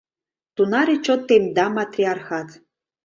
Тунаре чот темда матриархат.